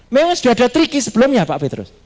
memang sudah ada tricky sebelumnya pak petrus